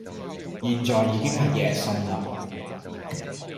現在已經係夜深喇